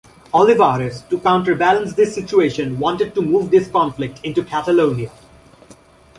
Olivares, to counterbalance this situation, wanted to move the conflict into Catalonia.